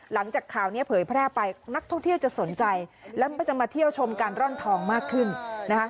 หลังจากข่าวนี้เผยแพร่ไปนักท่องเที่ยวจะสนใจแล้วก็จะมาเที่ยวชมการร่อนทองมากขึ้นนะคะ